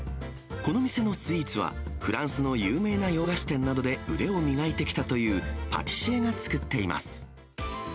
この店のスイーツは、フランスの有名洋菓子店などで腕を磨いてきたというパティシエが作っています。